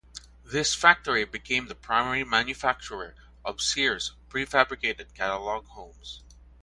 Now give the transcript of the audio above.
This factory became the primary manufacturer of Sears' prefabricated Catalog Homes.